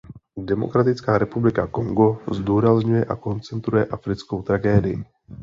Demokratická republika Kongo zdůrazňuje a koncentruje africkou tragédii.